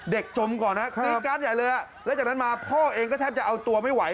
จมก่อนนะกรี๊ดการ์ดใหญ่เลยแล้วจากนั้นมาพ่อเองก็แทบจะเอาตัวไม่ไหว